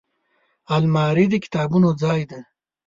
الماري د کتابونو ځای دی